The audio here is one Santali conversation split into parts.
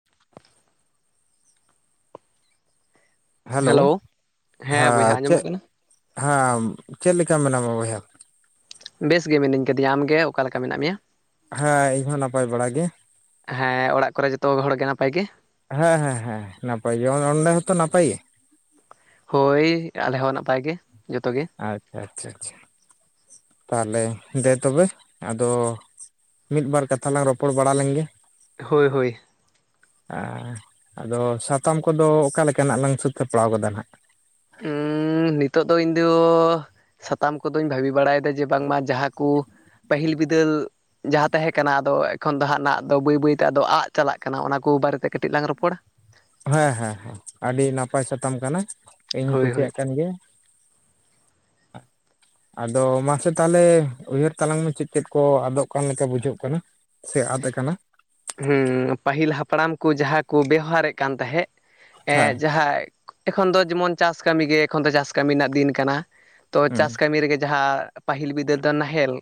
[unintelligible] ᱦᱮᱞᱳᱣ! ᱦᱮᱞᱳ ᱦᱮᱸ ᱵᱚᱭᱦᱟ ᱪᱮᱜ, ᱟᱸᱡᱚᱢᱚᱜ ᱠᱟᱱᱟ ᱦᱮᱸᱢ ᱪᱮᱜ ᱞᱮᱠᱟ ᱢᱮᱱᱟᱢᱟ ᱵᱚᱭᱦᱟ? ᱵᱮᱥ ᱜᱮ ᱢᱤᱱᱟᱹᱧ ᱠᱟᱫᱤᱧᱟ, ᱟᱢᱜᱮ ᱚᱠᱟ ᱞᱮᱠᱟ ᱢᱮᱱᱟᱜ ᱢᱮᱭᱟ? ᱦᱮᱸ ᱤᱧ ᱦᱚᱸ ᱱᱟᱯᱟᱭ ᱵᱟᱲᱟ ᱜᱮ᱾ ᱦᱮᱸ ᱚᱲᱟᱜ ᱠᱚᱨᱮ ᱡᱚᱛᱚ ᱦᱚᱲ ᱜᱮ ᱱᱟᱯᱟᱭ ᱜᱮ? ᱦᱮᱸ ᱦᱮᱸ ᱦᱮᱸ, ᱱᱟᱯᱟᱭ ᱜᱮ, [inaudible] ᱚᱸᱰᱮ ᱦᱚᱸᱛᱚ ᱱᱟᱯᱟᱭ ᱜᱮ? ᱦᱳᱭ ᱟᱞᱮ ᱦᱚᱸ ᱱᱟᱯᱟᱭ ᱜᱮ ᱡᱚᱛᱚ ᱜᱮ᱾ ᱟᱪᱪᱷᱟ ᱟᱪᱪᱷᱟ ᱟᱪᱪᱷᱟ᱾ ᱛᱟᱦᱚᱞᱮ ᱫᱮ ᱛᱚᱵᱮ ᱟᱫᱚ ᱢᱤᱫ ᱵᱟᱨ ᱠᱟᱛᱷᱟ ᱞᱟᱝ ᱨᱚᱯᱚᱲ ᱵᱟᱲᱟ ᱞᱮᱝᱜᱮ᱾ ᱦᱳᱭ ᱦᱳᱭ ᱟᱫᱚ ᱥᱟᱛᱟᱢ ᱠᱚᱫᱚ ᱚᱠᱟ ᱞᱮᱠᱟᱱᱟᱜ ᱞᱟᱝ ᱥᱟᱹᱛ ᱥᱟᱯᱲᱟᱣ ᱠᱟᱫᱟ ᱱᱟᱦᱟᱸᱜ? ᱦᱩᱸ ᱱᱤᱛᱚᱜ ᱫᱚ ᱤᱧᱫᱚ ᱥᱟᱛᱟᱢ ᱠᱚᱫᱚᱧ ᱵᱷᱟᱹᱵᱤ ᱵᱟᱲᱟᱭᱮᱫᱟ ᱡᱮ ᱵᱟᱝᱢᱟ ᱡᱟᱦᱟᱸ ᱠᱚ, ᱯᱟᱹᱦᱤᱞ ᱵᱤᱫᱟᱹᱞ ᱡᱟᱦᱟᱸ ᱛᱟᱦᱮᱸ ᱠᱟᱱᱟ ᱟᱫᱚ ᱮᱠᱷᱚᱱ ᱫᱚ ᱦᱟᱸᱜ ᱱᱟᱜ ᱫᱚ ᱵᱟᱹᱭ ᱵᱟᱹᱭᱛᱮ ᱟᱫᱚ ᱟᱫ ᱪᱟᱞᱟᱜ ᱠᱟᱱᱟ ᱚᱱᱟ ᱠᱚ ᱵᱟᱨᱮᱛᱮ ᱠᱟᱹᱴᱤᱡ ᱞᱟᱝ ᱨᱚᱯᱚᱲᱟ᱾ ᱦᱮᱸ ᱦᱮᱸ ᱦᱮᱸ, ᱟᱹᱰᱤ ᱱᱟᱯᱟᱭ ᱥᱟᱛᱟᱢ ᱠᱟᱱᱟ ᱤᱧ ᱦᱚᱸᱧ ᱦᱳᱭ ᱦᱳᱭ ᱠᱩᱥᱤᱭᱟᱜ ᱠᱟᱱ ᱜᱮᱭᱟ᱾ [unintelligible] ᱟᱫᱚ ᱢᱟᱥᱮ ᱛᱟᱦᱚᱞᱮ ᱩᱭᱦᱟᱹᱨ ᱛᱟᱞᱟᱝ ᱢᱮ ᱪᱮᱫ ᱪᱮᱫ ᱠᱚ ᱟᱫᱚᱜ ᱠᱟᱱ ᱞᱮᱠᱟ ᱵᱩᱡᱷᱟᱹᱜ ᱠᱟᱱᱟ? ᱥᱮ ᱟᱫ ᱟᱠᱟᱱᱟ? ᱦᱮᱸ ᱯᱟᱹᱦᱤᱞ ᱦᱟᱯᱲᱟᱢ ᱠᱚ ᱡᱟᱦᱟᱸ ᱠᱚ ᱵᱮᱣᱦᱟᱨᱮᱫ ᱠᱟᱱ ᱛᱟᱦᱮᱸᱫ ᱦᱮᱸ ᱡᱟᱦᱟᱸ ᱮᱠᱷᱚᱱ ᱫᱚ ᱡᱮᱢᱚᱱ ᱪᱟᱥ ᱠᱟᱹᱢᱤᱜᱮ ᱮᱠᱷᱚᱱ ᱫᱚ ᱪᱟᱥ ᱠᱟᱹᱢᱤ ᱨᱮᱱᱟᱜ ᱫᱤᱱ ᱠᱟᱱᱟ᱾ ᱛᱚ ᱦᱮᱸ ᱪᱟᱥ ᱠᱟᱹᱢᱤ ᱨᱮᱜᱮ ᱡᱟᱦᱟᱸ ᱯᱟᱹᱦᱤᱞ ᱵᱤᱫᱟᱹᱞ ᱫᱚ ᱱᱟᱦᱮᱞ,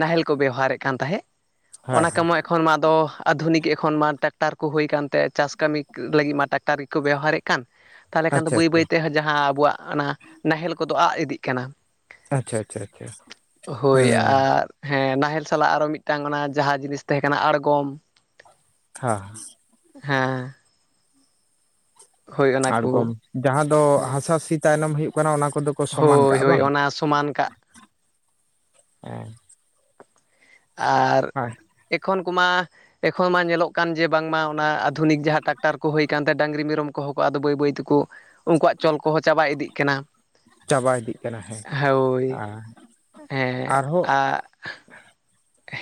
ᱱᱟᱦᱮᱞ ᱠᱚ ᱵᱮᱣᱦᱟᱨᱮᱫ ᱠᱟᱱ ᱛᱟᱦᱮᱸᱫ ᱦᱮᱸ ᱚᱱᱟ ᱦᱮᱸ [unintelligible] ᱮᱠᱷᱚᱱ ᱢᱟ ᱫᱚ ᱟᱫᱷᱩᱱᱤᱠ ᱮᱠᱷᱚᱱ ᱢᱟ ᱴᱮᱠᱴᱟᱨ ᱠᱚ ᱦᱩᱭ ᱟᱠᱟᱱᱛᱮ ᱪᱟᱥ ᱠᱟᱹᱢᱤ ᱞᱟᱹᱜᱤᱫ ᱢᱟ ᱴᱮᱠᱴᱟᱨ ᱜᱮᱠᱚ ᱵᱮᱣᱦᱟᱨᱮᱫ ᱠᱟᱱ᱾ ᱛᱟᱦᱚᱞᱮ ᱠᱷᱟᱱ ᱫᱚ ᱟᱪᱪᱷᱟ ᱵᱟᱹᱭ ᱟᱪᱪᱷᱟ ᱵᱟᱹᱭᱛᱮ ᱡᱟᱦᱟᱸ ᱟᱵᱚᱣᱟᱜ ᱚᱱᱟ ᱱᱟᱦᱮᱞ ᱠᱚᱫᱚ ᱟᱫ ᱤᱫᱤᱜ ᱠᱟᱱᱟ᱾ ᱟᱪᱪᱷᱟ ᱟᱪᱪᱷᱟ ᱟᱪᱪᱷᱟ ᱦᱳᱭ ᱦᱮᱸ ᱟᱨ ᱦᱮᱸ ᱱᱟᱦᱮᱞ ᱥᱟᱞᱟᱜ ᱟᱨᱚ ᱢᱤᱫᱴᱟᱝ ᱚᱱᱟ ᱡᱟᱦᱟᱸ ᱡᱤᱱᱤᱥ ᱛᱟᱦᱮᱸ ᱠᱟᱱᱟ ᱟᱬᱜᱚᱢ ᱦᱮᱸ ᱦᱮᱸ ᱦᱮᱸ ᱦᱳᱭ ᱚᱱᱟ ᱠᱚ ᱟᱬᱜᱚᱢ ᱡᱟᱦᱟᱸ ᱫᱚ ᱦᱟᱥᱟ ᱥᱤ ᱛᱟᱭᱱᱚᱢ ᱦᱩᱭᱩᱜ ᱠᱟᱱᱟ ᱚᱱᱟ ᱠᱚᱫᱚ ᱠᱚ ᱥᱚᱢᱟᱱ ᱦᱳᱭ ᱠᱟᱜᱼᱟ ᱦᱳᱭ ᱵᱟᱝ ᱚᱱᱟ ᱥᱚᱢᱟᱱ ᱠᱟᱜ᱾ ᱦᱮᱸ᱾ ᱟᱨ ᱦᱮᱸ ᱮᱠᱷᱚᱱ ᱠᱚᱢᱟ ᱮᱠᱷᱚᱱ ᱢᱟ ᱧᱮᱞᱚᱜ ᱠᱟᱱ ᱡᱮ ᱵᱟᱝᱢᱟ ᱚᱱᱟ ᱟᱫᱷᱩᱱᱤᱠ ᱡᱟᱦᱟᱸ ᱴᱨᱟᱠᱴᱟᱨ ᱠᱚ ᱦᱩᱭ ᱠᱟᱱᱛᱮ ᱰᱟᱹᱝᱨᱤ ᱢᱮᱨᱚᱢ ᱠᱚᱦᱚᱸ ᱠᱚ ᱦᱚᱸ ᱟᱫᱚ ᱵᱟᱹᱭ ᱵᱟᱹᱭ ᱛᱮᱠᱚ ᱩᱱᱠᱩᱣᱟᱜ ᱪᱚᱞ ᱠᱚᱦᱚᱸ ᱪᱟᱵᱟ ᱤᱫᱤᱜ ᱠᱟᱱᱟ᱾ ᱪᱟᱵᱟ ᱤᱫᱤᱜ ᱠᱟᱱᱟ ᱦᱮᱸ᱾ ᱦᱳᱭ ᱟᱨ ᱦᱮᱸ ᱟᱨᱦᱚᱸ ᱟᱨ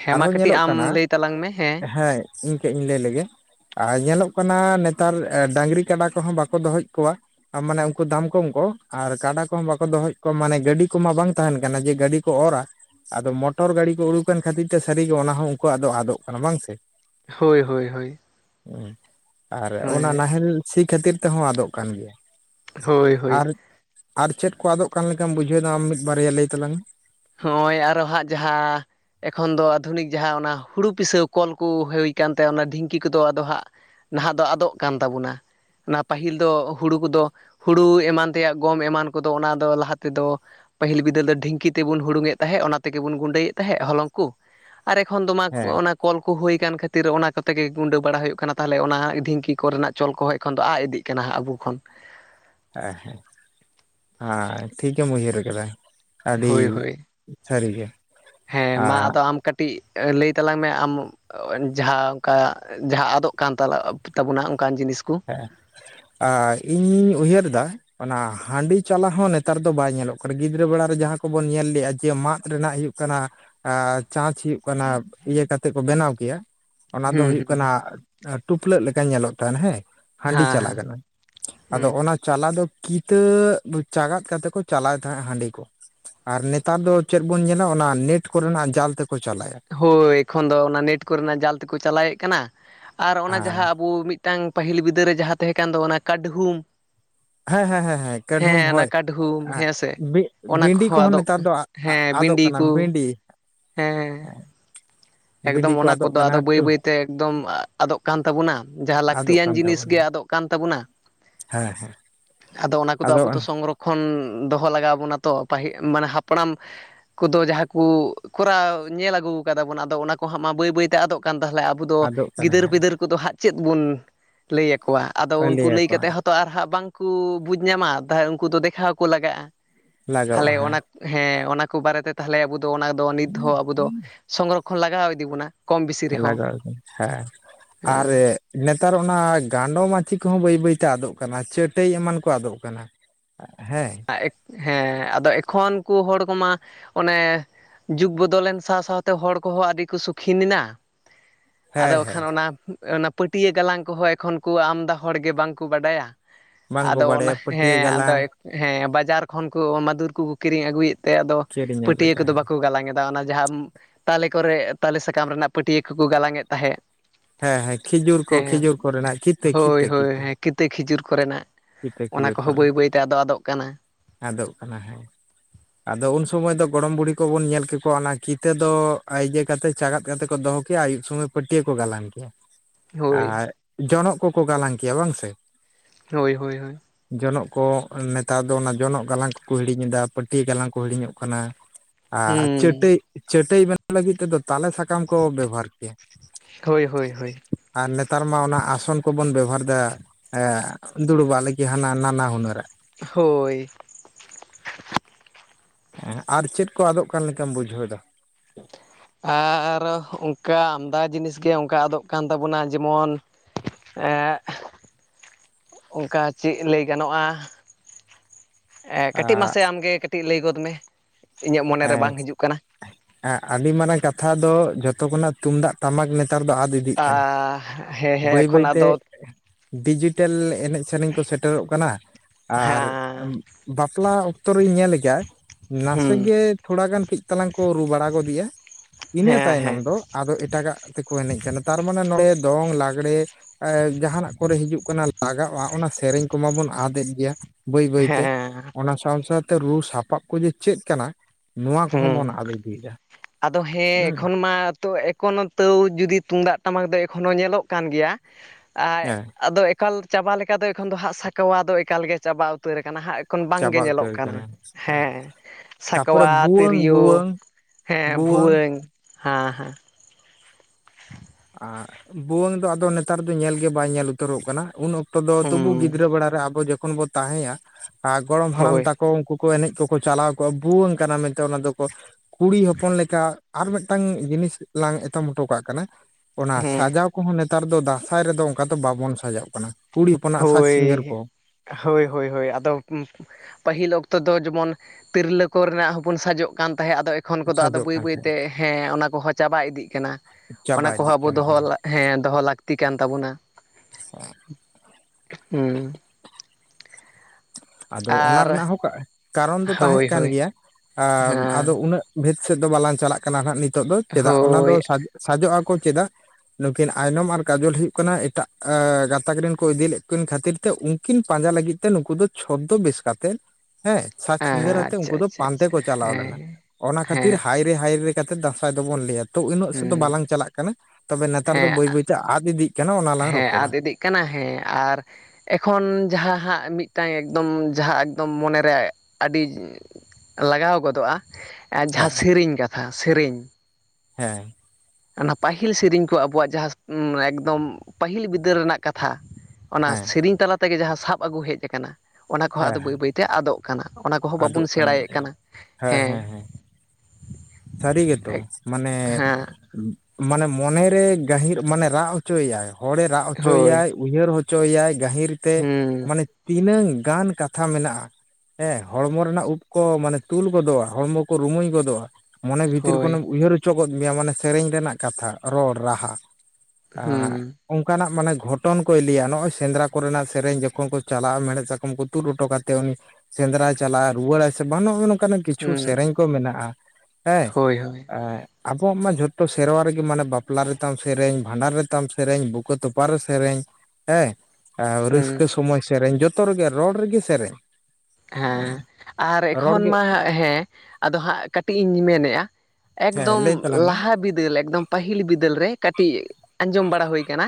ᱦᱮᱸ ᱢᱟ ᱟᱨᱦᱚᱸ ᱠᱟᱹᱴᱤᱡ ᱧᱮᱞᱚᱜ ᱟᱢ ᱠᱟᱱᱟ ᱞᱟᱹᱭ ᱛᱟᱞᱟᱝ ᱢᱮ ᱦᱮᱸ? ᱦᱮᱸ ᱤᱧ ᱠᱟᱹᱡ ᱤᱧ ᱞᱟᱹᱭ ᱞᱮᱜᱮ᱾ ᱟᱨ ᱧᱮᱞᱚᱜ ᱠᱟᱱᱟ ᱱᱮᱛᱟᱨ ᱰᱟᱝᱨᱤ ᱠᱟᱰᱟ ᱠᱚᱦᱚᱸ ᱵᱟᱠᱚ ᱫᱚᱦᱚᱭᱮᱫ ᱠᱚᱣᱟ᱾ ᱢᱟᱱᱮ ᱩᱱᱠᱩ ᱫᱟᱢ ᱠᱚᱢ ᱠᱚ ᱟᱨ ᱠᱟᱰᱟ ᱠᱚᱦᱚᱸ ᱵᱟᱠᱚ ᱫᱚᱦᱚᱭᱮᱫ ᱠᱚᱣᱟ ᱢᱟᱱᱮ ᱜᱟᱹᱰᱤ ᱠᱚᱢᱟ ᱵᱟᱝ ᱛᱟᱦᱮᱱ ᱠᱟᱱᱟ ᱡᱮ ᱜᱟᱹᱰᱤ ᱠᱚ ᱚᱨ-ᱟ ᱟᱫᱚ ᱢᱚᱴᱚᱨ ᱜᱟᱹᱰᱤ ᱠᱚ ᱩᱰᱩᱠᱟᱱ ᱠᱷᱟᱹᱛᱤᱨ ᱛᱮ ᱥᱟᱹᱨᱤᱜᱮ ᱚᱱᱟ ᱦᱚᱸ ᱩᱱᱠᱩᱣᱟᱜ ᱫᱚ ᱟᱫᱚᱜ ᱠᱟᱱᱟ ᱵᱟᱝ ᱥᱮ? ᱦᱳᱭ ᱦᱳᱭ ᱦᱳᱭ ᱩᱸ ᱟᱨ ᱚᱱᱟ ᱦᱳᱭ ᱱᱟᱦᱮᱞ ᱥᱤ ᱠᱷᱟᱹᱛᱤᱨ ᱛᱮᱦᱚᱸ ᱟᱫᱚᱜ ᱠᱟᱱ ᱜᱮᱭᱟ᱾ ᱦᱳᱭ ᱟᱨ ᱟᱨ ᱪᱮᱫ ᱠᱚ ᱟᱫᱚᱜ ᱠᱟᱱ ᱞᱮᱠᱟᱢ ᱵᱩᱡᱷᱟᱹᱣ ᱫᱟ ᱟᱢ ᱢᱤᱫ ᱵᱟᱨᱭᱟ ᱞᱟᱹᱭ ᱛᱟᱞᱟᱝ ᱢᱮ? ᱦᱚᱜ-ᱚᱭ ᱟᱨᱚ ᱦᱟᱸᱜ ᱡᱟᱦᱟᱸ ᱮᱠᱷᱚᱱ ᱫᱚ ᱟᱫᱷᱩᱱᱤᱠ ᱡᱟᱦᱟᱸ ᱚᱱᱟ ᱦᱩᱲᱩ ᱯᱤᱥᱟᱹᱣ ᱠᱚᱞ ᱠᱩ ᱦᱩᱭ ᱠᱟᱱ ᱛᱮ ᱚᱱᱟ ᱰᱷᱤᱝᱠᱤ ᱠᱚᱫᱚ ᱟᱫᱚ ᱦᱟᱸᱜ ᱱᱟᱦᱟᱜ ᱫᱚ ᱟᱫᱚᱜ ᱠᱟᱱ ᱛᱟᱵᱩᱱᱟ᱾ ᱚᱱᱟ ᱯᱟᱹᱦᱤᱞ ᱫᱚ ᱦᱩᱲᱩ ᱠᱚᱫᱚ ᱦᱩᱲᱩ ᱮᱢᱟᱱ ᱛᱮᱭᱟᱜ ᱜᱚᱢ ᱮᱢᱟᱱ ᱠᱚᱫᱚ ᱚᱱᱟ ᱫᱚ ᱞᱟᱦᱟ ᱛᱮᱫᱚ ᱯᱟᱹᱦᱤᱞ ᱵᱤᱫᱟᱹᱞ ᱫᱚ ᱰᱷᱤᱝᱠᱤ ᱛᱮᱵᱩᱱ ᱦᱩᱲᱩᱝ ᱮᱫ ᱛᱟᱦᱮᱸᱫ ᱚᱱᱟ ᱛᱮᱜᱮᱵᱩᱱ ᱜᱩᱸᱰᱟᱹᱭᱮᱫ ᱛᱟᱦᱮᱸᱫ, ᱦᱚᱞᱚᱝ ᱠᱩ ᱟᱨ ᱮᱠᱷᱚᱱ ᱫᱚ ᱢᱟ ᱦᱮᱸ ᱚᱱᱟ ᱠᱚᱞ ᱠᱚ ᱦᱩᱭ ᱟᱠᱟᱱ ᱠᱷᱟᱹᱛᱤᱨ ᱚᱱᱟ ᱠᱚᱛᱮᱜ ᱜᱮ ᱜᱩᱸᱰᱟᱹ ᱵᱟᱲᱟ ᱦᱩᱭᱩᱜ ᱠᱟᱱᱟ, ᱛᱟᱦᱞᱮ ᱚᱱᱟ ᱰᱷᱤᱝᱠᱤ ᱠᱚᱨᱮᱱᱟᱜ ᱪᱚᱞ ᱠᱚᱦᱚᱸ ᱮᱠᱷᱚᱱ ᱫᱚ ᱟᱜ ᱤᱫᱤᱜ ᱠᱟᱱᱟ ᱦᱟᱸᱜ ᱟᱵᱩ ᱠᱷᱚᱱ᱾ ᱦᱮᱸ ᱦᱮᱸ ᱟᱸᱭ ᱴᱷᱤᱠ ᱠᱮᱢ ᱩᱭᱦᱟᱹᱨ ᱟᱠᱟᱫᱟ᱾ ᱟᱹᱰᱤ ᱦᱳᱭ ᱦᱳᱭ ᱥᱟᱹᱨᱤᱜᱮ ᱟᱸ ᱴᱤᱜ ᱞᱟᱹᱭ ᱛᱟᱞᱟᱝ ᱢᱮ ᱟᱢ, ᱡᱟᱦᱟᱸ ᱚᱝᱠᱟ ᱡᱟᱦᱟᱸ ᱟᱫᱚᱜ ᱠᱟᱱ ᱛᱟᱞᱟ ᱛᱟᱵᱚᱱᱟ ᱚᱱᱠᱟᱱ ᱡᱤᱱᱤᱥᱠᱩ᱾ ᱟᱸ ᱤᱧᱤᱧ ᱩᱭᱦᱟᱹᱨ ᱫᱟ ᱚᱱᱟ ᱦᱟᱺᱰᱤ ᱪᱟᱞᱟ ᱦᱚᱸ ᱱᱮᱛᱟᱨ ᱫᱚ ᱵᱟᱭ ᱧᱮᱞᱚᱜ ᱠᱟᱱᱟ, ᱜᱤᱫᱽᱨᱟᱹ ᱵᱮᱲᱟ ᱨᱮ ᱡᱟᱦᱟᱸ ᱠᱚᱵᱚᱱ ᱧᱮᱞ ᱞᱮᱜ-ᱟ ᱡᱮ ᱢᱟᱫ ᱨᱮᱱᱟᱜ ᱭᱩᱜ ᱠᱟᱱᱟ ᱟᱸ ᱪᱟᱸᱪ ᱦᱩᱭᱩᱜ ᱠᱟᱱᱟ, ᱤᱭᱟᱹ ᱠᱟᱛᱮᱜ ᱠᱚ ᱵᱮᱱᱟᱣ ᱠᱮᱭᱟ, ᱚᱱᱟ ᱫᱚ ᱦᱩᱸ ᱦᱩᱭᱩᱜ ᱦᱩᱸ ᱠᱟᱱᱟ ᱴᱩᱯᱞᱟᱹᱜ ᱞᱮᱠᱟ ᱧᱮᱞᱚᱜ ᱛᱟᱦᱮᱱ ᱦᱮᱸ, ᱦᱟᱺᱰᱤ ᱦᱮᱸ ᱪᱟᱞᱟ ᱦᱮᱸ ᱠᱟᱱᱟ ᱟᱫᱚ ᱦᱩᱸ ᱚᱱᱟ ᱪᱟᱞᱟ ᱫᱚ ᱠᱤᱛᱟᱹ ᱪᱟᱜᱟᱫ ᱠᱟᱛᱮ ᱠᱚ ᱪᱟᱞᱟᱣ ᱛᱟᱦᱮᱸᱜ ᱦᱟᱺᱰᱤ ᱠᱚ᱾ ᱟᱨ ᱱᱮᱛᱟᱨ ᱫᱚ ᱪᱮᱫ ᱵᱚᱱ ᱧᱮᱞᱟ ᱚᱱᱟ ᱱᱹᱮᱴ ᱠᱚᱨᱮ ᱱᱟᱜ ᱡᱟᱞ ᱛᱮᱠᱚ ᱪᱟᱞᱟᱭᱟ᱾ ᱦᱳᱭ ᱮᱠᱷᱚᱱ ᱫᱚ ᱚᱱᱟ ᱱᱮᱴ ᱠᱚᱨᱮᱱᱟᱜ ᱡᱟᱞ ᱛᱮᱠᱚ ᱪᱟᱞᱟᱣᱮᱫ ᱠᱟᱱᱟ ᱟᱨ ᱚᱱᱟ ᱡᱟᱦᱟᱸ ᱟᱵᱩ ᱢᱤᱫ ᱴᱟᱝ ᱯᱟᱹᱦᱤᱞ ᱵᱤᱫᱟᱹᱞ ᱨᱮ ᱡᱟᱦᱟᱸ ᱛᱮᱦᱮᱸ ᱠᱟᱱ ᱫᱚ ᱚᱱᱟ ᱠᱟᱰᱷᱩᱢ ᱦᱮᱸ ᱦᱮᱸ ᱦᱮᱸ ᱦᱮᱸ ᱠᱟᱹᱰᱷᱩᱢ ᱚᱱᱟ ᱦᱳᱭ ᱠᱟᱰᱦᱩᱢ ᱦᱮᱸᱥᱮ ᱚᱱᱟ ᱵᱷᱤᱱᱰᱤ ᱠᱚᱦᱚᱸ ᱟᱫᱚᱜ ᱱᱮᱛᱟᱨ ᱠᱟ ᱫᱚ ᱦᱮᱸ ᱟᱫᱚᱜ ᱵᱤᱸᱰᱤ ᱠᱟᱱᱟ ᱠᱩ ᱵᱷᱤᱱᱰᱤ ᱦᱮᱸ ᱵᱷᱤᱱᱰᱤ ᱮᱠᱫᱚᱢ ᱠᱚ ᱚᱱᱟ ᱟᱫᱚᱜ ᱠᱚᱫᱚ ᱠᱟᱱᱟ ᱟᱫᱚ ᱵᱟᱹᱭ ᱴᱩ ᱵᱟᱹᱭᱛᱮ ᱮᱠᱫᱚᱢ ᱟᱫᱚᱜ ᱠᱟᱱ ᱛᱟᱵᱩᱱᱟ ᱡᱟᱦᱟᱸ ᱟᱫᱚᱜ ᱞᱟᱹᱠᱛᱤᱭᱟᱱ ᱠᱟᱱ ᱡᱤᱱᱤᱥ ᱛᱟᱵᱚᱱᱟ ᱜᱮ ᱟᱫᱚᱜ ᱠᱟᱱ ᱛᱟᱵᱩᱱᱟ᱾ ᱦᱮᱸ ᱦᱮᱸ ᱟᱫᱚ ᱚᱱᱟ ᱠᱚᱫᱚ ᱟᱵᱚ ᱫᱚ ᱥᱚᱝᱨᱚᱠᱷᱚᱱ ᱫᱚᱦᱚ ᱞᱟᱜᱟᱣ ᱵᱚᱱᱟ ᱛᱚ ᱯᱟᱹᱦᱤᱞ ᱢᱟᱱᱮ ᱦᱟᱯᱲᱟᱢ ᱠᱚᱫᱚ ᱡᱟᱦᱟᱸ ᱠᱩ ᱠᱚᱨᱟᱣ ᱧᱮᱞ ᱟᱹᱜᱩᱣ ᱠᱟᱫᱟ ᱵᱚᱱ ᱟ ᱟᱫᱚ ᱚᱱᱟ ᱠᱚ ᱦᱟᱸᱜ ᱢᱟ ᱵᱟᱹᱭ ᱵᱟᱹᱭᱛᱮ ᱟᱫᱚᱜ ᱠᱟᱱ ᱛᱟᱦᱞᱮ ᱟᱵᱩ ᱫᱚ ᱟᱫᱚᱜ ᱠᱟᱱᱟ ᱜᱤᱫᱟᱹᱨ ᱦᱮᱸ ᱯᱤᱫᱟᱹᱨ ᱠᱚᱫᱚ ᱦᱟᱸᱜ ᱪᱮᱫ ᱵᱚᱱ ᱞᱟᱹᱭ ᱭᱟᱠᱚᱣᱟ ᱟᱫᱚ ᱩᱱᱠᱩ ᱞᱟᱹᱭ ᱟᱹᱞᱤᱭᱟᱠᱚ ᱠᱟᱛᱮᱜ ᱦᱚ ᱛᱚ ᱟᱨ ᱦᱟᱸᱜ ᱵᱟᱝᱠᱩ ᱵᱩᱡᱽ ᱧᱟᱢᱟ ᱛᱟᱦᱮ ᱩᱱᱠᱩ ᱫᱚ ᱫᱮᱠᱷᱟᱣ ᱠᱚ ᱞᱟᱜᱟᱜ-ᱟ, ᱛᱷᱟᱞᱮ ᱞᱟᱜᱟᱣᱚᱜᱼᱟ ᱚᱱᱟ ᱦᱮᱸ ᱦᱮᱸ ᱚᱱᱟ ᱠᱚ ᱵᱟᱨᱮᱛᱮ ᱛᱟᱦᱞᱮ ᱟᱵᱚ ᱫᱚ ᱚᱱᱟ ᱫᱚ ᱱᱤᱛ ᱦᱚᱸ ᱟᱵᱩ ᱫᱚ ᱥᱚᱝᱨᱚᱠᱷᱚᱱ ᱞᱟᱜᱟᱣ ᱤᱫᱤ ᱵᱚᱱᱟ᱾ ᱠᱚᱢ ᱵᱮᱥᱤ ᱨᱮᱦᱚᱸ ᱞᱟᱜᱟᱣ ᱜᱮ ᱟᱨ ᱦᱮᱸ ᱟᱨ ᱱᱮᱛᱟᱨ ᱚᱱᱟ ᱜᱟᱸᱰᱚ ᱢᱟᱹᱪᱤ ᱠᱚᱦᱚᱸ ᱵᱟᱹᱭ ᱵᱟᱹᱭᱛᱮ ᱟᱫᱚᱜ ᱠᱟᱱᱟ ᱪᱟᱹᱴᱟᱹᱭ ᱮᱢᱟᱱ ᱠᱚ ᱟᱫᱚᱜ ᱠᱟᱱᱟ᱾ ᱦᱮᱸ ᱮᱠ ᱦᱮᱸ ᱟᱫᱚ ᱮᱠᱷᱚᱱ ᱠᱩ ᱦᱚᱲ ᱠᱚᱢᱟ ᱚᱱᱮ ᱡᱩᱜᱽ ᱵᱚᱫᱚᱞ ᱱᱮᱱ ᱥᱟᱶ ᱥᱟᱶᱛᱮ ᱦᱚᱲ ᱠᱚᱦᱚᱸ ᱟᱹᱰᱤ ᱠᱚ ᱥᱩᱠᱷᱤᱱ ᱱᱮᱱᱟ, ᱦᱮᱸ ᱟᱫᱚ ᱦᱮᱸ ᱠᱷᱟᱱ ᱚᱱᱟ ᱚᱱᱟ ᱯᱟᱹᱴᱭᱟᱹ ᱜᱟᱞᱟᱝ ᱠᱚᱦᱚᱸ ᱮᱠᱷᱚᱱ ᱠᱩ ᱟᱢᱫᱟ ᱦᱚᱲ ᱜᱮ ᱵᱟᱝᱠᱚ ᱵᱟᱰᱟᱭᱟ᱾ ᱵᱟᱝᱠᱚ ᱟᱫᱚ ᱚᱱᱟ ᱵᱟᱲᱟᱭᱟ ᱯᱟᱹᱴᱭᱟᱹ ᱦᱮᱸ, ᱟᱫᱚ ᱜᱟᱞᱟᱝ ᱦᱮᱸ, ᱵᱟᱡᱟᱨ ᱠᱷᱚᱱ ᱠᱩ ᱢᱟᱫᱩᱨ ᱠᱚᱠᱚ ᱠᱤᱨᱤᱧ ᱟᱹᱜᱩᱭᱮᱫ ᱛᱮ ᱟᱫᱚ ᱠᱤᱨᱤᱧ ᱯᱟᱹᱴᱭᱟᱹ ᱟᱹᱜᱩᱭᱮᱫᱟ ᱠᱚᱫᱚ ᱵᱟᱠᱚ ᱜᱟᱞᱟᱝ ᱮᱫ ᱫᱟ ᱚᱱᱟ ᱡᱟᱦᱟᱸ ᱛᱟᱞᱮ ᱠᱚᱨᱮ, ᱛᱟᱞᱮ ᱥᱟᱠᱟᱢ ᱨᱮᱱᱟᱜ ᱯᱟᱹᱴᱭᱟᱹ ᱠᱚᱠᱩ ᱜᱟᱞᱟᱝ ᱮᱫ ᱛᱟᱦᱮᱸᱫ᱾ ᱦᱮᱸ ᱦᱮᱸ ᱠᱷᱤᱡᱩᱨ ᱠᱚ ᱦᱮᱸ ᱠᱷᱤᱡᱩᱨ ᱠᱚᱨᱮᱱᱟᱜ ᱠᱤᱛᱟᱹ ᱦᱳᱭ ᱠᱤᱛᱟᱹ ᱦᱳᱭ ᱠᱤᱛᱟᱹ᱾ ᱦᱮᱸ ᱠᱤᱛᱟᱹ ᱠᱷᱤᱡᱩᱨ ᱠᱚᱨᱮᱱᱟᱜ, ᱠᱤᱛᱟᱹ ᱚᱱᱟ ᱠᱷᱤᱡᱩᱨ ᱠᱚᱦᱚᱸ ᱵᱟᱹᱭ ᱠᱚᱨᱮᱱᱟᱜ ᱵᱟᱹᱭᱛᱮ ᱟᱫᱚ ᱟᱫᱚᱜ ᱠᱟᱱᱟ ᱟᱫᱚᱜ ᱠᱟᱱᱟ ᱦᱮᱸ᱾ ᱟᱫᱚ ᱩᱱ ᱥᱩᱢᱚᱭ ᱫᱚ ᱜᱚᱲᱚᱢ ᱵᱩᱲᱦᱤ ᱠᱚᱵᱚᱱ ᱧᱮᱞ ᱠᱮᱠᱚᱣᱟ ᱚᱱᱟ ᱠᱤᱛᱟᱹ ᱫᱚ ᱮᱸ ᱤᱭᱟᱹ ᱠᱟᱛᱮ ᱪᱟᱜᱟᱫ ᱠᱟᱛᱮ ᱠᱚ ᱫᱚᱦᱚ ᱠᱮᱭᱟ ᱟᱭᱩᱵ ᱥᱚᱢᱚᱭ ᱯᱟᱹᱴᱭᱟᱹ ᱠᱚ ᱜᱟᱞᱟᱝ ᱠᱮᱭᱟ᱾ ᱦᱳᱭ ᱟᱨ ᱡᱚᱱᱚᱜ ᱠᱚᱠᱚ ᱜᱟᱞᱟᱝ ᱠᱮᱭᱟ ᱵᱟᱝ ᱥᱮ? ᱦᱳᱭ ᱦᱳᱭ ᱦᱳᱭ᱾ ᱡᱚᱱᱚᱜ ᱠᱚ, ᱱᱮᱛᱟᱨ ᱫᱚ ᱚᱱᱟ ᱡᱚᱱᱚᱜ ᱜᱟᱞᱟᱝ ᱠᱚᱠᱚ ᱦᱤᱲᱤᱧ ᱮᱫᱟ ᱯᱟᱹᱴᱭᱟᱹ ᱜᱟᱞᱟᱝ ᱠᱚ ᱦᱤᱲᱤᱧᱚᱜ ᱠᱟᱱᱟ᱾ ᱟᱨ ᱦᱩᱸ ᱪᱟᱹᱴᱟᱹᱭ ᱪᱟᱹᱴᱟᱹᱭ ᱵᱮᱱᱟᱣ ᱞᱟᱹᱜᱤᱫ ᱛᱮᱫᱚ ᱛᱟᱞᱮ ᱥᱟᱠ ᱠᱟᱢ ᱠᱚ ᱵᱮᱵᱚᱦᱟᱨ ᱠᱮᱭᱟ᱾ ᱦᱳᱭ ᱦᱳᱭ ᱦᱳᱭ ᱟᱨ ᱱᱮᱛᱟᱨ ᱢᱟ ᱚᱱᱟ ᱟᱥᱚᱱ ᱠᱚᱵᱚᱱ ᱵᱮᱵᱚᱦᱟᱨ ᱫᱟ ᱮ ᱫᱩᱲᱩᱵ ᱟᱜ ᱞᱟᱜᱤᱫ ᱦᱟᱱᱟ ᱱᱟᱱᱟ ᱦᱩᱱᱟᱹᱨᱟᱜ᱾ ᱦᱳᱭ᱾ ᱮᱸ ᱟᱨ ᱪᱮᱫ ᱠᱚ ᱟᱫᱚᱜ ᱠᱟᱱ ᱞᱮᱠᱟᱢ ᱵᱩᱡᱷᱟᱹᱣ ᱮᱫᱟ? ᱟᱨ ᱚᱱᱠᱟ ᱟᱢᱫᱟ ᱡᱤᱱᱤᱥ ᱜᱮ ᱚᱱᱠᱟ ᱟᱫᱚᱜ ᱠᱟᱱ ᱛᱟᱵᱚᱱᱟ ᱡᱮᱢᱚᱱ ᱮᱸᱜ, ᱚᱱᱠᱟ ᱪᱮᱫ ᱞᱟᱹᱭ ᱜᱟᱱᱚᱜᱼᱟ? ᱮᱸ ᱠᱟᱹᱴᱤᱡ ᱢᱟᱥᱮ ᱟᱢ ᱜᱮ ᱠᱟᱹᱴᱤᱡ ᱞᱟᱹᱭ ᱜᱚᱫ ᱢᱮ᱾ ᱤᱧᱟᱹᱜ ᱢᱚᱱᱮᱨᱮ ᱮ᱾ ᱵᱟᱝ ᱦᱤᱡᱩᱜ ᱠᱟᱱᱟ ᱮᱸᱜ ᱟᱹᱰᱤ ᱢᱟᱨᱟᱝ ᱠᱟᱛᱷᱟ ᱫᱚ ᱡᱷᱚᱛᱚ ᱠᱷᱚᱱᱟᱜ ᱛᱩᱢᱫᱟᱜ ᱴᱟᱢᱟᱠ ᱱᱮᱛᱟᱨ ᱫᱚ ᱟᱫ ᱤᱫ ᱟᱻ ᱦᱮᱸ ᱦᱮᱸ ᱵᱟᱹᱭ ᱮᱠᱷᱚᱱ ᱵᱟᱹᱭ ᱛᱮ ᱟᱫᱚ ᱰᱤᱡᱤᱴᱮᱞ ᱮᱱᱮᱡ ᱥᱮᱨᱮᱧ ᱠᱚ ᱥᱮᱴᱮᱨᱚᱜ ᱠᱟᱱᱟ, ᱟᱨ ᱦᱮᱸ ᱵᱟᱯᱞᱟ ᱚᱠᱛᱚ ᱨᱤᱧ ᱧᱮᱞ ᱜᱮᱭᱟ ᱱᱟᱥᱮ ᱦᱩᱸ ᱜᱮ ᱛᱷᱚᱲᱟᱜᱟᱱ ᱠᱟᱹᱡ ᱛᱟᱞᱟᱝ ᱠᱚ ᱨᱩ ᱵᱟᱲᱟ ᱜᱚᱫ ᱜᱮᱭᱟ, ᱤᱱᱟᱹ ᱦᱮᱸ ᱛᱟᱭᱱᱚᱢ ᱦᱮᱸ ᱫᱚ ᱟᱫᱚ ᱮᱴᱟᱜᱟᱜ ᱛᱮᱠᱚ ᱮᱱᱮᱜ ᱠᱟᱱᱟ, ᱛᱟᱨᱢᱟᱱᱮ ᱱᱚᱰᱮ ᱫᱚᱝ ᱞᱟᱜ ᱜᱬᱮ ᱮᱸ ᱡᱟᱦᱟᱱᱟᱜ ᱠᱚᱨᱮ ᱦᱤᱡᱩᱜ ᱠᱟᱱᱟ ᱞᱟᱜᱟᱜᱼᱟ ᱚᱱᱟ ᱥᱮᱨᱮᱧ ᱠᱚᱢᱟ ᱵᱚᱱ ᱟᱫ ᱮᱫ ᱜᱮᱭᱟ᱾ ᱵᱟᱹᱭ ᱵᱟᱹᱭᱛᱮ, ᱦᱮᱸ ᱚᱱᱟ ᱥᱟᱶ ᱥᱟᱶᱛᱮ ᱨᱩ ᱥᱟᱯᱟᱵ ᱠᱚ ᱡᱮ ᱪᱮᱜ ᱠᱟᱱᱟ ᱱᱚᱣᱟ ᱠᱚᱦᱚᱸ ᱵᱚᱱ ᱦᱩᱸ, ᱟᱫ ᱤᱫᱤᱭᱮᱫᱟ ᱟᱫᱚ ᱦᱮᱸ ᱮᱠᱷᱚᱱ ᱢᱟ ᱛᱚ ᱮᱠᱚᱱᱳ ᱛᱟᱹᱣ ᱡᱩᱫᱤ ᱛᱩᱢᱫᱟᱜ ᱛᱟᱢᱟᱠ ᱫᱚ ᱮᱠᱷᱚᱱᱳ ᱧᱮᱞᱚᱜ ᱠᱟᱱ ᱜᱮᱭᱟ, ᱟᱭ ᱦᱮᱸ ᱟᱫᱚ ᱮ ᱠᱟᱞ ᱪᱟᱵᱟ ᱞᱮᱠᱟ ᱫᱚ ᱮᱠᱷᱚᱱ ᱫᱚ ᱦᱟᱸᱜ ᱥᱟᱠᱚᱣᱟ ᱫᱚ ᱮᱠᱟᱞ ᱜᱮ ᱪᱟᱵᱟ ᱩᱛᱟᱹᱨ ᱟᱠᱟᱱᱟ ᱦᱟᱸᱜ᱾ ᱠᱷᱚᱱ ᱵᱟᱝ ᱜᱮ ᱪᱟᱵᱟ ᱧᱮᱞᱚᱜ ᱩᱛᱟᱹᱨ ᱠᱟᱱᱟ, ᱦᱮᱸ ᱛᱟᱯᱚᱨᱮ ᱥᱟᱠᱣᱟ ᱵᱷᱩᱣᱟᱹᱝ ᱛᱤᱨᱭᱳ, ᱵᱷᱩᱣᱟᱹᱝ ᱦᱮᱸ ᱵᱷᱩᱣᱟᱹᱝ, ᱦᱟᱸ ᱦᱟᱸ᱾ ᱟᱨ ᱵᱷᱩᱣᱟᱹᱝ ᱫᱚ ᱟᱫᱚ ᱱᱮᱛᱟᱨ ᱫᱚ ᱧᱮᱞ ᱜᱮ ᱵᱟᱭ ᱧᱮᱞ ᱩᱛᱟᱹᱨᱚᱜ ᱠᱟᱱᱟ ᱩᱱ ᱚᱠ ᱛᱚ ᱫᱚ ᱛᱚᱵᱩ ᱦᱩᱸ ᱜᱤᱫᱽᱨᱟᱹ ᱵᱮᱲᱟ ᱨᱮ ᱟᱵᱚ ᱡᱚᱠᱷᱚᱱ ᱵᱚᱱ ᱛᱟᱦᱮᱸᱭᱟ ᱟᱨ ᱜᱚᱲᱚᱢ ᱦᱟᱲᱟᱢ ᱦᱳᱭ ᱛᱟᱠᱚ ᱩᱝᱠᱩ ᱠᱚ ᱮᱱᱮᱡ ᱠᱚᱠᱚ ᱪᱟᱞᱟᱣ ᱠᱚᱜᱼᱟ, ᱵᱷᱩᱣᱟᱹᱝ ᱠᱟᱱᱟ ᱢᱮᱱᱛᱮ ᱚᱱᱟ ᱫᱚᱠᱚ ᱠᱩᱲᱤ ᱦᱚᱯᱚᱱ ᱞᱮᱠᱟ ᱟᱨ ᱢᱤᱫᱴᱟᱝ ᱡᱤᱱᱤᱥ ᱞᱟᱝ ᱮᱛᱚᱢ ᱦᱚᱴᱚ ᱠᱟᱜ ᱠᱟᱱᱟ, ᱚᱱᱟ ᱦᱩᱸ ᱥᱟᱡᱟᱣ ᱠᱚᱦᱚᱸ ᱱᱮᱛᱟᱨ ᱫᱚ ᱫᱟᱸᱥᱟᱭ ᱨᱮᱫᱚ ᱚᱝᱠᱟ ᱫᱚ ᱵᱟᱵᱚᱱ ᱥᱟᱡᱟᱣᱚᱜ ᱠᱟᱱᱟ᱾ ᱠᱩᱲᱤ ᱦᱚᱯᱚᱱᱟᱜ ᱥᱟᱡᱽ ᱥᱤᱝᱜᱟᱹᱨ ᱦᱳᱭ, ᱠᱚ ᱦᱳᱭ ᱦᱳᱭ ᱦᱳᱭ ᱟᱫᱚ ᱯᱟᱦᱤᱞ ᱚᱠᱛᱚ ᱫᱚ ᱡᱚᱢᱚᱱ ᱛᱤᱨᱞᱟᱹ ᱠᱚ ᱨᱮᱱᱟᱜ ᱦᱚᱸᱵᱚᱱ ᱥᱟᱡᱚᱜ ᱠᱟᱱ ᱛᱟᱦᱮᱸᱜ ᱟᱫᱚ ᱠᱷᱚᱱ ᱠᱚᱫᱚ ᱟᱫᱚ ᱥᱟᱡᱚᱜ ᱵᱟᱹᱭ ᱠᱟᱱ ᱵᱟᱹᱭᱛᱮ ᱛᱟᱦᱮᱸᱫ ᱦᱮᱸ ᱚᱱᱟ ᱠᱚᱦᱚᱸ ᱪᱟᱵᱟ ᱤᱫᱤᱜ ᱠᱟᱱᱟ, ᱚᱱᱟ ᱪᱟᱵᱟ ᱠᱚᱦᱚᱸ ᱤᱫᱤᱜ ᱟᱵᱚ ᱠᱟᱱᱟ ᱫᱚᱦᱚ ᱦᱳᱭ ᱞᱟ ᱦᱮᱸ ᱫᱚᱦᱚ ᱞᱟᱠᱛᱤ ᱠᱟᱱ ᱛᱟᱵᱚᱱᱟ᱾ [inaudible] ᱦᱩᱸ᱾ ᱟᱫᱚ ᱚᱱᱟ ᱟᱨ ᱨᱮᱱᱟᱜ ᱦᱚᱸ ᱠᱟᱜ ᱠᱟᱨᱚᱱ ᱫᱚ ᱛᱟᱦᱮᱸᱜ ᱦᱳᱭ ᱠᱟᱱ ᱦᱳᱭ ᱜᱮᱭᱟ ᱮᱸ ᱦᱮᱸ ᱟᱫᱚ ᱩᱱᱟᱹᱜ ᱵᱷᱮᱫ ᱥᱮᱫ ᱫᱚ ᱵᱟᱞᱟᱝ ᱪᱟᱞᱟᱜ ᱠᱟᱱᱟ ᱱᱟᱦᱟᱜ ᱱᱤᱛᱚᱜ ᱫᱚ ᱪᱮᱫᱟᱜ, ᱚᱱᱟ ᱫᱚ ᱦᱳᱭ ᱥᱟ ᱥᱟᱡᱚᱜ ᱟᱠᱚ ᱪᱮᱫᱟᱜ? ᱱᱩᱠᱤᱱ ᱟᱭᱱᱚᱢ ᱟᱨ ᱠᱟᱡᱚᱞ ᱦᱩᱭᱩᱜ ᱠᱟᱱᱟ ᱮᱴᱟᱜ ᱮ ᱜᱟᱛᱟᱠ ᱨᱮᱱ ᱠᱚ ᱤᱫᱤ ᱞᱮᱫ ᱠᱤᱱ ᱠᱷᱟᱹᱛᱤᱨ ᱛᱮ ᱩᱱ ᱠᱤᱱ ᱯᱟᱸᱡᱟ ᱞᱟᱹᱜᱤᱫ ᱛᱮ ᱱᱩᱠᱩ ᱫᱚ ᱪᱷᱚᱫᱫᱚ ᱵᱮᱥ ᱠᱟᱛᱮᱜ, ᱦᱮᱸ ᱥᱟᱡᱽ ᱥᱤᱝᱜᱟᱹᱨ ᱟᱛᱮ ᱟᱪᱪᱷᱟ ᱩᱱᱠᱩ ᱫᱚ ᱟᱪᱪᱷᱟ ᱯᱟᱱᱛᱮ ᱟᱪᱪᱷᱟ ᱠᱚ ᱪᱟᱞᱟᱣ ᱞᱮᱱᱟ, ᱦᱮᱸ ᱚᱱᱟ ᱠᱷᱟᱹᱛᱤᱨ ᱦᱮᱸ ᱦᱟᱭ ᱨᱮ ᱦᱟᱭᱨᱮ ᱠᱟᱛᱮ ᱫᱟᱥᱟᱭ ᱫᱚᱵᱚᱱ ᱞᱮᱭᱟ ᱾ ᱛᱚ ᱤᱱᱳᱜ ᱥᱮᱫ ᱫᱚ ᱦᱩᱸ ᱵᱟᱞᱟᱝ ᱪᱟᱞᱟᱜ ᱠᱟᱱᱟ, ᱛᱚᱵᱮ ᱱᱮᱛᱟᱨ ᱫᱚ ᱦᱮᱸ ᱵᱟᱹᱭ ᱵᱟᱹᱭᱛᱮ ᱟᱫ ᱤᱫᱤᱜ ᱠᱟᱱᱟ ᱚᱱᱟ ᱞᱟᱝ ᱦᱮᱸ ᱨᱚᱯᱚᱲᱟ ᱟᱫ ᱾ ᱤᱫᱤᱜ ᱠᱟᱱᱟ ᱦᱮᱸ, ᱟᱨ ᱮᱠᱷᱚᱱ ᱡᱟᱦᱟᱸ ᱦᱟᱸᱜ ᱢᱤᱫᱴᱟᱝ ᱮᱠᱫᱚᱢ ᱡᱟᱦᱟᱸ ᱮᱠᱫᱚᱢ ᱢᱚᱱᱮᱨᱮ ᱟᱹᱰᱤ ᱞᱟᱜᱟᱣ ᱜᱚᱫᱚᱜ-ᱟ ᱡᱟᱦᱟᱸ ᱦᱮᱸ ᱥᱮᱨᱤᱧ ᱠᱟᱛᱷᱟ ᱥᱮᱨᱮᱧ ᱦᱮᱸ ᱾ ᱚᱱᱟ ᱯᱟᱦᱤᱞ ᱥᱮᱨᱤᱧ ᱠᱚ ᱟᱵᱚᱣᱟᱜ ᱡᱟᱦᱟᱸ ᱮᱠᱫᱚᱢ ᱯᱟᱦᱤᱞ ᱵᱤᱫᱟᱹᱞ ᱨᱮᱱᱟᱜ ᱠᱟᱛᱷᱟ ᱚᱱᱟ ᱦᱮᱸ ᱥᱮᱨᱤᱧ ᱛᱟᱞᱟ ᱛᱮᱜᱮ ᱡᱟᱦᱟᱸ ᱥᱟᱵ ᱟᱹᱜᱩ ᱦᱮᱜ ᱠᱟᱱᱟ ᱚᱱᱟ ᱠᱚ ᱦᱟᱜ ᱦᱮᱸ ᱟᱫᱚ ᱦᱮᱸ ᱵᱟᱹᱭ ᱵᱟᱹᱭ ᱛᱮ ᱟᱫᱚᱜ ᱠᱟᱱᱟ ᱚᱱᱟ ᱠᱚᱦᱚᱸ ᱵᱟᱵᱚᱱ ᱟᱫᱚᱜ ᱥᱮᱬᱟᱭᱮᱫ ᱦᱮᱸ ᱠᱟᱱᱟ ᱾ [inaudible] ᱦᱮᱸ ᱾ [inaudible] ᱥᱟᱹᱨᱤ ᱜᱮᱛᱚ ᱢᱟᱱᱮ ᱦᱮᱸ ᱢᱟᱱᱮ ᱢᱚᱱᱮ ᱨᱮ ᱜᱟᱹᱦᱤᱨ ᱢᱟᱱᱮ ᱨᱟᱜ ᱦᱚᱪᱚᱭᱟᱭ ᱦᱚᱲᱮ ᱨᱟᱜ ᱦᱳᱭ ᱦᱚᱪᱚᱭᱟᱭ ᱾ ᱩᱭᱦᱟᱹᱨ ᱦᱚᱪᱚᱭᱮᱭᱟᱭ ᱜᱟᱹᱦᱤᱨ ᱛᱮ ᱦᱩᱸ ᱢᱟᱱᱮ ᱛᱤᱱᱟᱹᱝ ᱜᱟᱱ ᱠᱟᱛᱷᱟ ᱢᱮᱱᱟᱜ-ᱟ ᱾ ᱦᱮᱸ ᱦᱚᱲᱢᱚ ᱨᱮᱱᱟᱜ ᱩᱵ ᱠᱚ ᱢᱟᱱᱮ ᱛᱩᱞ ᱜᱚᱫᱚᱜ-ᱟ, ᱦᱚᱲᱢᱚ ᱠᱚ ᱨᱩᱢᱩᱭ ᱜᱚᱫᱚᱜ-ᱟ ᱾ ᱢᱚᱱᱮ ᱵᱷᱤᱛᱤᱨ ᱦᱳᱭ ᱠᱷᱚᱱᱮᱢ ᱩᱭᱦᱟᱹᱨ ᱦᱚᱪᱚᱜᱚᱫ ᱢᱮᱭᱟ ᱢᱟᱱᱮ ᱥᱮᱨᱮᱧ ᱨᱮᱱᱟᱜ ᱠᱟᱛᱷᱟ ᱨᱚᱲ ᱨᱟᱦᱟ ᱾ ᱟᱨ ᱦᱩᱸ ᱚᱝᱠᱟᱱᱟᱜ ᱢᱟᱱᱮ ᱜᱷᱚᱴᱚᱱ ᱠᱚᱭ ᱞᱮᱭᱟ ᱱᱚᱜ-ᱚᱭ ᱥᱮᱸᱫᱽᱨᱟ ᱠᱚᱨᱮᱱᱟᱜ ᱥᱮᱨᱮᱧ ᱡᱚᱠᱷᱚᱱ ᱠᱚ ᱪᱟᱞᱟᱜ-ᱟ ᱢᱮᱲᱦᱮᱫ ᱥᱟᱠᱚᱢ ᱠᱚ ᱛᱩᱜ ᱦᱚᱴᱚ ᱠᱟᱛᱮᱜ ᱩᱱᱤ ᱥᱮᱸᱫᱽᱨᱟᱟᱭ ᱪᱟᱞᱟᱜ-ᱟ ᱨᱩᱣᱟᱹᱲᱟᱭ ᱥᱮ ᱵᱟᱝ ᱱᱚᱜ-ᱚᱭ ᱱᱚᱝᱠᱱᱟᱜ ᱠᱤᱪᱷᱩ ᱦᱩᱸ ᱥᱮᱨᱮᱧ ᱠᱚ ᱢᱮᱱᱟᱜ-ᱟ ᱾ ᱦᱮᱸ ᱦᱳᱭ ᱦᱳᱭ ᱾ [inaudible] ᱟᱵᱚᱣᱟᱜ ᱢᱟ ᱡᱷᱚᱛᱚ ᱥᱮᱨᱣᱟ ᱨᱮᱜᱮ ᱢᱟᱱᱮ ᱵᱟᱯᱞᱟ ᱨᱮᱛᱟᱢ ᱥᱮᱨᱮᱧ, ᱵᱷᱟᱰᱟᱱ ᱨᱮᱛᱟᱢ ᱥᱮᱨᱮᱧ, ᱵᱩᱠᱟᱹ ᱛᱚᱯᱟ ᱨᱮ ᱥᱮᱨᱮᱧ, ᱦᱮᱸ ᱾ ᱟᱣ ᱦᱩᱸ ᱨᱟᱹᱥᱠᱟᱹ ᱥᱚᱢᱚᱭ ᱥᱮᱨᱮᱧ, ᱡᱚᱛᱚ ᱨᱮᱜᱮ ᱨᱚᱲ ᱨᱮᱜᱮ ᱥᱮᱨᱮᱧ ᱾ ᱦᱮᱸ ᱟᱨ ᱮᱠᱷᱚᱱ ᱢᱟ ᱦᱟᱜ ᱦᱮᱸ ᱟᱫᱚ ᱦᱟᱸᱜ ᱠᱟᱴᱤᱡ ᱤᱧ ᱢᱮᱱᱮᱜ-ᱟ ᱦᱮᱸ ᱮᱠᱫᱚᱢ ᱞᱟᱹᱭ ᱛᱟᱞᱟᱝ ᱢᱮ ᱞᱟᱦᱟ ᱵᱤᱫᱟᱹᱞ ᱮᱠᱫᱚᱢ ᱯᱟᱹᱦᱤᱞ ᱵᱤᱫᱟᱹᱞ ᱨᱮ ᱠᱟᱹᱴᱤᱜ ᱟᱸᱡᱚᱢ ᱵᱟᱲᱟ ᱦᱩᱭ ᱟᱠᱟᱱᱟ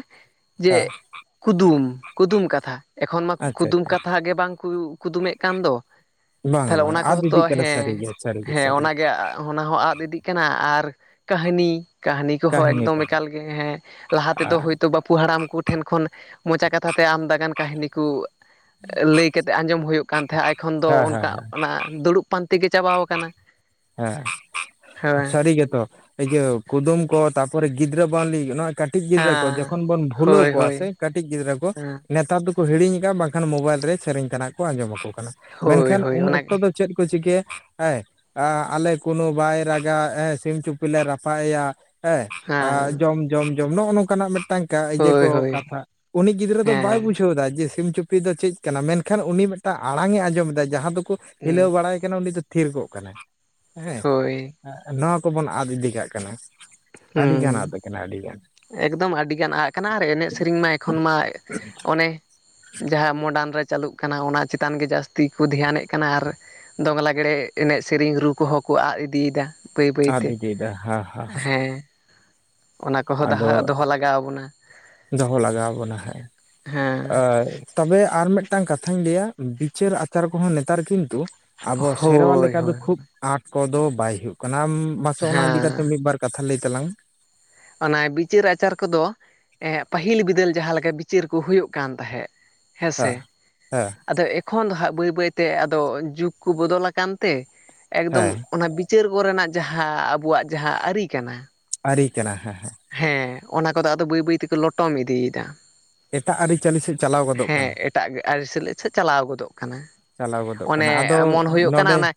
ᱦᱟᱸ ᱾ ᱠᱩᱫᱩᱢ ᱠᱩᱫᱩᱢ ᱠᱟᱛᱷᱟ, ᱮᱠᱷᱚᱱ ᱢᱟ ᱟᱪᱪᱷᱟ ᱠᱩᱫᱩᱢ ᱟᱪᱪᱷᱟ ᱠᱟᱛᱷᱟ ᱜᱮ ᱵᱟᱝ ᱠᱚ ᱠᱩᱫᱩᱢᱮᱜ ᱠᱟᱱ ᱫᱚ ᱾ ᱵᱟᱝᱟ ᱛᱟᱦᱞᱮ ᱚᱱᱟ ᱵᱟᱝᱟ ᱟᱫ ᱠᱚᱦᱚᱸ ᱛᱚ ᱤᱫᱤᱜ ᱠᱟᱱᱟ ᱦᱮᱸ ᱥᱟᱹᱨᱤᱜᱮ ᱥᱟᱹᱨᱤᱜᱮ ᱦᱮᱸ ᱥᱟᱹᱨᱤᱜᱮ ᱚᱱᱟᱜᱮ ᱚᱱᱟ ᱦᱚᱸ ᱟᱫ ᱤᱫᱤᱜ ᱠᱟᱱᱟ ᱟᱨ ᱠᱟᱹᱦᱱᱤ ᱠᱟᱹᱦᱱᱤ ᱠᱚᱦᱚᱸ ᱮᱠᱫᱚᱢ ᱮᱠᱟᱞ ᱜᱮ ᱦᱮᱸ ᱞᱟᱦᱟ ᱛᱮᱫᱚ ᱦᱮᱸ ᱦᱚᱭᱛᱳ ᱵᱟᱯᱩ ᱦᱟᱲᱟᱢ ᱠᱚ ᱴᱷᱮᱱ ᱠᱷᱚᱱ ᱢᱚᱪᱟ ᱠᱟᱛᱷᱟ ᱛᱮ ᱟᱢᱫᱟᱜᱟᱱ ᱠᱟᱹᱦᱱᱤ ᱠᱚ [inaudible] ᱞᱟᱹᱭ ᱠᱟᱛᱮ ᱟᱸᱡᱚᱢ ᱦᱩᱭᱩᱜ ᱠᱟᱱ ᱛᱟᱦᱮᱸᱫ, ᱮᱠᱷᱚᱱ ᱫᱚ ᱦᱮᱸ ᱦᱮᱸ ᱚᱱᱠᱟ ᱚᱱᱟ ᱫᱩᱲᱩᱵ ᱯᱟᱱᱛᱮ ᱜᱮ ᱪᱟᱵᱟᱣ ᱠᱟᱱᱟ ᱾ ᱦᱮᱸ ᱥᱟᱹᱨᱤ ᱜᱮᱛᱚ ᱤᱭᱟᱹ ᱠᱩᱫᱩᱢ ᱠᱚ ᱛᱟᱨᱯᱚᱨᱮ ᱜᱤᱫᱽᱨᱟᱹ ᱵᱟᱹᱣᱞᱤ ᱞᱟᱹᱜᱤᱫ ᱱᱚᱣᱟ ᱠᱟᱹᱴᱤᱡ ᱜᱤᱫᱽᱨᱟᱹ ᱠᱚ ᱦᱮᱸ ᱡᱚᱠᱷᱚᱱ ᱵᱚᱱ ᱵᱷᱩᱞᱟᱹᱣ ᱦᱳᱭ ᱠᱚᱣᱟ ᱦᱳᱭ ᱥᱮ ᱠᱟᱹᱴᱤᱡ ᱜᱤᱫᱽᱨᱟᱹ ᱠᱚ ᱦᱮᱸ ᱱᱮᱛ ᱛᱟᱨ ᱫᱚᱠᱚ ᱦᱤᱲᱤᱧ ᱮᱫᱟ ᱵᱟᱝᱠᱷᱟᱱ ᱢᱳᱵᱟᱭᱤᱞ ᱨᱮ ᱥᱮᱨᱮᱧ ᱛᱮᱱᱟᱜ ᱠᱚ ᱟᱸᱡᱚᱢ ᱟᱠᱚ ᱠᱟᱱᱟ, ᱦᱳᱭ ᱢᱮᱱᱠᱷᱟᱱ ᱦᱳᱭ ᱩᱱ ᱚᱱᱟᱜᱮ ᱚᱠᱛᱚ ᱫᱚ ᱪᱮᱫ ᱠᱚ ᱪᱤᱠᱟᱹᱭᱟ ᱦᱮᱸ ᱮ ᱟᱞᱮ ᱠᱩᱱᱩ ᱵᱟᱭ ᱨᱟᱜᱟ ᱥᱤᱢ ᱪᱩᱯᱤ ᱞᱮ ᱨᱟᱯᱟᱜ ᱟᱭᱟ ᱦᱮᱸ ᱦᱮᱸ ᱡᱚᱢ ᱡᱚᱢ ᱡᱚᱢ ᱱᱚᱜ-ᱚ ᱱᱚᱝᱠᱟᱱᱟᱜ ᱢᱤᱫᱴᱟᱝ ᱤᱭᱟᱹ ᱦᱳᱭ ᱠᱚ ᱦᱳᱭ ᱠᱟᱛᱷᱟ ᱩᱱᱤ ᱜᱤᱫᱽᱨᱟᱹ ᱫᱚ ᱵᱟᱭ ᱦᱮᱸ ᱵᱩᱡᱷᱟᱹᱣ ᱮᱫᱟ ᱡᱮ, ᱥᱤᱢ ᱪᱩᱯ ᱪᱩᱯᱤ ᱫᱚ ᱪᱮᱫ ᱠᱟᱱᱟ ᱢᱮᱱᱠᱷᱟᱱ ᱩᱱᱤ ᱢᱤᱫᱴᱟᱝ ᱟᱲᱟᱝ ᱮ ᱟᱸᱡᱚᱢ ᱮᱫᱟ ᱡᱟᱦᱟᱸ ᱫᱚᱠᱚ ᱦᱤᱞᱟᱹᱣ ᱵᱟᱲᱟᱭ ᱠᱟᱱᱟ ᱩᱱᱤ ᱫᱚ ᱛᱷᱤᱨ ᱠᱚᱜ ᱠᱟᱱᱟ ᱾ ᱦᱮᱸ ᱦᱳᱭ ᱱᱚᱣᱟ ᱠᱚᱵᱚᱱ ᱟᱫ ᱤᱫᱤ ᱠᱟᱜ ᱠᱟᱱᱟ ᱾ ᱟᱹᱰᱤᱜᱟᱱ ᱟᱫ ᱦᱩᱸ ᱠᱟᱱᱟ ᱟᱹᱰᱤ ᱮᱠᱫᱚᱢ ᱟᱹᱰᱤᱜᱟᱱ ᱟᱫ ᱟᱠᱟᱱᱟ ᱟᱨ ᱮᱱᱮᱡ ᱥᱮᱨᱮᱧ ᱢᱟ ᱮᱠᱷᱚᱱ ᱢᱟ ᱚᱱᱮ ᱡᱟᱦᱟᱸ ᱢᱚᱰᱟᱨᱱ ᱨᱮ ᱪᱟᱹᱞᱩᱜ ᱠᱟᱱᱟ ᱚᱱᱟ ᱪᱮᱛᱟᱱ ᱜᱮ ᱡᱟᱹᱥᱛᱤ ᱠᱚ ᱫᱷᱮᱭᱟᱱᱮᱫ ᱠᱟᱱᱟ ᱟᱨ ᱫᱚᱝ ᱞᱟᱜᱽᱲᱮ ᱮᱱᱮᱡ ᱥᱮᱨᱮᱧ ᱨᱩ ᱠᱚᱦᱚᱸ ᱠᱚ ᱟᱫ ᱤᱫᱤᱭᱮᱫᱟ ᱵᱟᱹᱭ ᱟᱫ ᱵᱟᱹᱭᱛᱮ ᱤᱫᱤᱭᱮᱫᱟ ᱾ ᱦᱮᱸ [inaudible] ᱦᱮᱸ ᱚᱱᱟ ᱠᱚᱦᱚᱸ ᱫᱟᱦᱚ ᱟᱫᱚ ᱫᱚᱦᱚ ᱞᱟᱜᱟᱣ ᱟᱵᱚᱱᱟ ᱾ ᱫᱚᱦᱚ ᱞᱟᱜᱟᱣ ᱟᱵᱚᱱᱟ ᱦᱮᱸ ᱦᱮᱸ ᱾ [inaudible] ᱟᱨ ᱛᱚᱵᱮ ᱟᱨ ᱢᱤᱫᱴᱟᱝ ᱠᱟᱛᱷᱟᱧ ᱞᱟᱹᱭᱟ ᱵᱤᱪᱟᱹᱨ ᱟᱪᱟᱨ ᱠᱚᱦᱚᱸ ᱱᱮᱛᱟᱨ ᱠᱤᱱᱛᱩ ᱟᱵᱚ ᱥᱮᱨᱣᱟ ᱦᱳᱭ ᱞᱮᱠᱟ ᱫᱚ ᱦᱳᱭ ᱠᱷᱩᱵ ᱟᱸᱴ ᱠᱚᱫᱚ ᱵᱟᱭ ᱦᱩᱭᱩᱜ ᱠᱟᱱᱟ ᱢᱟᱥᱮ ᱚᱱᱟ ᱤᱫᱤᱠᱟ ᱦᱮᱸ ᱠᱟᱛᱮᱫ ᱢᱤᱫ-ᱵᱟᱨ ᱠᱟᱛᱷᱟ ᱞᱟᱹᱭ ᱛᱟᱞᱟᱝ ᱢᱮ᱾ ᱚᱱᱟ ᱵᱤᱪᱟᱹᱨ ᱟᱪᱟᱨ ᱠᱚᱫᱚ ᱮ ᱯᱟᱹᱦᱤᱞ ᱵᱤᱫᱟᱹᱞ ᱡᱟᱦᱟᱸ ᱞᱮᱠᱟ ᱵᱤᱪᱟᱹᱨ ᱠᱚ ᱦᱩᱭᱩᱜ ᱠᱟᱱ ᱛᱟᱦᱮᱸᱫ᱾ ᱦᱮᱸ ᱢᱮ ᱥᱮ ᱦᱮᱸ ᱦᱮᱸ ᱟᱫᱚ ᱮᱠᱷᱚᱱ ᱫᱚ ᱦᱟᱸᱜ ᱵᱟᱹᱭ ᱵᱟᱹᱭᱛᱮ ᱟᱫᱚ ᱡᱩᱜ ᱠᱚ ᱵᱚᱫᱚᱞ ᱟᱠᱟᱱ ᱛᱮ ᱮᱠᱫᱚᱢ ᱦᱮᱸ ᱚᱱᱟ ᱵᱤᱪ ᱪᱟᱹᱨ ᱠᱚᱨᱮᱱᱟᱜ ᱡᱟᱦᱟᱸ ᱟᱵᱚᱣᱟᱜ ᱡᱟᱦᱟᱸ ᱟᱹᱨᱤ ᱠᱟᱱᱟ᱾ ᱟᱹᱨᱤ ᱠᱟᱱᱟ ᱦᱮᱸ ᱦᱮᱸ᱾ ᱦᱮᱸ ᱚᱱᱟ ᱠᱚᱫᱚ ᱟᱫᱚ ᱵᱟᱹᱭ ᱵᱟᱹᱭ ᱛᱮᱠᱚ ᱞᱚᱴᱚᱢ ᱤᱫᱤᱭᱮᱫᱟ᱾ ᱮᱴᱟᱜ ᱟᱹᱨᱤᱪᱟᱹᱞᱤ ᱥᱮᱫ ᱪᱟᱞᱟᱣ ᱜᱚᱫᱚᱜ ᱦᱮᱸ ᱠᱟᱱᱟ᱾ ᱮᱴᱟᱜ ᱟᱹᱨᱤᱪᱟᱹᱞᱤ ᱥᱮᱫ ᱪᱟᱞᱟᱣ ᱜᱚᱫᱚᱜ ᱠᱟᱱᱟ ᱪᱟᱞᱟᱣ ᱜᱚᱫᱚᱜ ᱚᱱᱮ ᱠᱟᱱᱟ ᱟᱫᱚ ᱢᱚᱱ ᱦᱩᱭᱩᱜ ᱠᱟᱱᱟ ᱱᱚᱰᱮ ᱚᱱᱟ